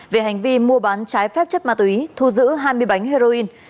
về hành vi mua bán trái phép chất ma túy thu giữ hai mươi bánh heroin